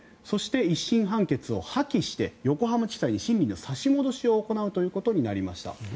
そして１審判決を破棄して横浜地裁に審理の差し戻しを行うということになりました。